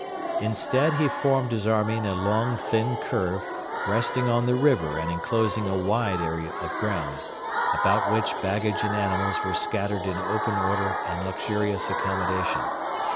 Instead he formed his army in a long thin curve, resting on the river and enclosing a wide area of ground, about which baggage and animals were scattered in open order and luxurious accommodation.